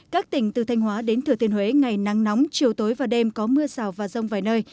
các tỉnh từ thanh hóa đến thừa thiên huế ngày nắng nóng chiều tối và đêm có mưa rào và rông vài nơi